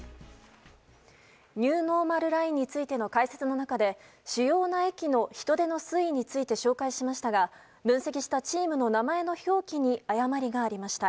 ニューノーマルラインについての解説の中で主要な駅の人出の推移について紹介しましたが分析したチームの名前の表記に誤りがありました。